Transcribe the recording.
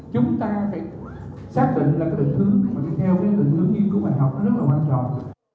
chúng ta phải xác định là cái định hướng mà đi theo cái định hướng nghiên cứu bài học rất là quan trọng